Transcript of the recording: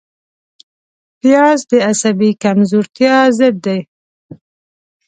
پیاز د عصبي کمزورتیا ضد دی